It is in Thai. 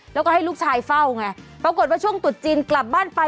แล้วก็ให้ลูกชายเฝ้าไงปรากฏว่าช่วงตุดจีนกลับบ้านไป